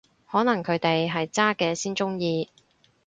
可能佢哋係渣嘅先鍾意